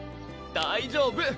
大丈夫！